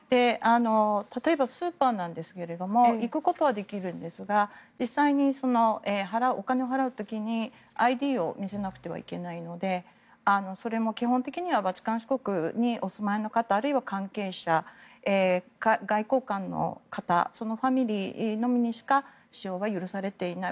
例えば、スーパーなんですが行くことはできるんですが実際にお金を払う時にＩＤを見せなくてはいけないのでそれも基本的にはバチカン市国にお住まいの方あるいは関係者外交官の方そのファミリーのみにしか使用は許されていない。